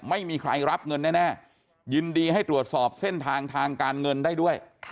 ไม่มีใครรับเงินแน่ยินดีให้ตรวจสอบเส้นทางทางการเงินได้ด้วย